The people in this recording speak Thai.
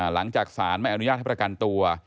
หลังจากสารไม่อนุญาตให้ประกันตัว